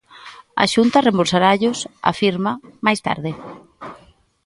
A Xunta reembolsarallos, afirma, máis tarde.